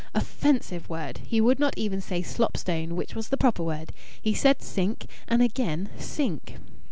(Offensive word! He would not even say "slop stone," which was the proper word. He said "sink," and again "sink.")